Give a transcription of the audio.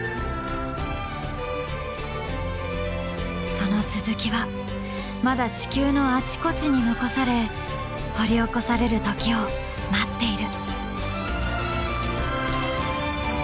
その続きはまだ地球のあちこちに残され掘り起こされる時を待っている。